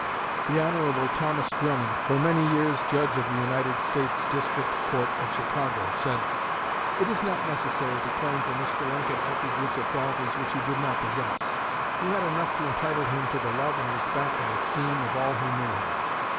The Hon. Thomas Drummond, for many years Judge of the United States District Court at Chicago, said: "It is not necessary to claim for Mr. Lincoln attributes or qualities which he did not possess. He had enough to entitle him to the love and respect and esteem of all who knew him.